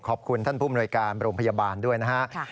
ขอบคุณท่านผู้มนวยการโรงพยาบาลด้วยนะฮะ